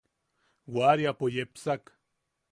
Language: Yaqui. Waariapo yepsak.